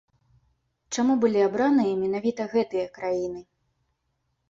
Чаму былі абраныя менавіта гэтыя краіны?